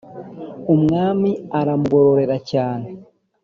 Umwami aramugororera cyane